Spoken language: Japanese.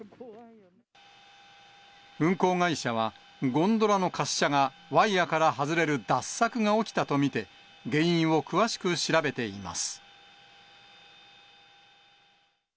運行会社は、ゴンドラの滑車がワイヤから外れる脱索が起きたと見て、原因を詳しく調べています。